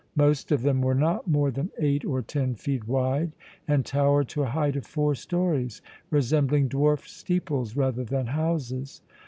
Most of them were not more than eight or ten feet wide and towered to a height of four stories, resembling dwarfed steeples rather than houses.